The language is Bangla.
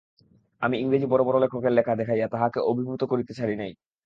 আমি ইংরেজি বড়ো বড়ো লেখকের লেখা দেখাইয়া তাহাকে অভিভূত করিতে ছাড়ি নাই।